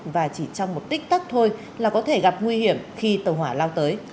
và chỉ trong một tích tắc thôi là có thể gặp nguy hiểm khi tàu hỏa lao tới